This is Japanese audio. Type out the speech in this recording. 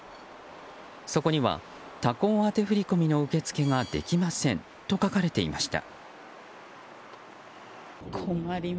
そこには他行宛て振り込みの受け付けができませんと書かれていました。